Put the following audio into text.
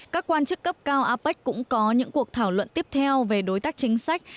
các quan chức cấp cao apec cũng có những cuộc thảo luận tiếp theo về đối tác chính sách